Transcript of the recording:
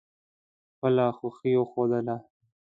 خپله خوښي وښودله.